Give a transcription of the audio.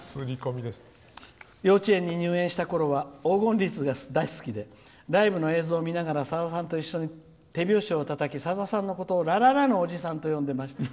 「幼稚園に入園したころは「黄金律」が大好きでライブの映像を見ながらさださんと一緒に手拍子をたたきさださんのことをラララのおじさんと呼んでいました」。